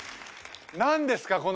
何ですか？